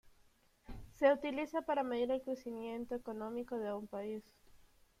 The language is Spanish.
Se utiliza para medir el crecimiento económico de un país.